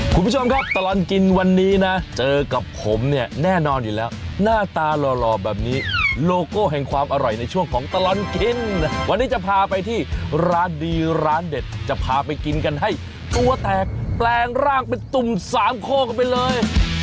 คุณผู้ชมครับตลอดกินวันนี้นะเจอกับผมเนี่ยแน่นอนอยู่แล้วหน้าตาหล่อแบบนี้โลโก้แห่งความอร่อยในช่วงของตลอดกินวันนี้จะพาไปที่ร้านดีร้านเด็ดจะพาไปกินกันให้ตัวแตกแปลงร่างเป็นตุ่มสามโคกกันไปเลย